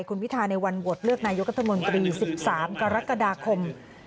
คุณพิทาในวันบทเลือกนายกัตเตอร์มนตรี๑๓กรกฎาคม